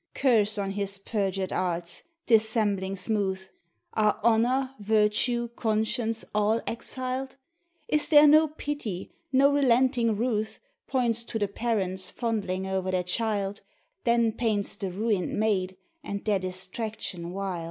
Curse on his perjured arts! dissembling smooth.! Arc honor, virtue, conscience, all exiled? Is there no pity, no relenting ruth, Points to the parents fondling o'er their child, Then paints the ruined maid, and their distraction wild?